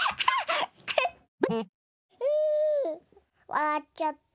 わらっちゃった。